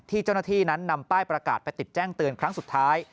เจ้าหน้าที่นั้นนำป้ายประกาศไปติดแจ้งเตือนครั้งสุดท้าย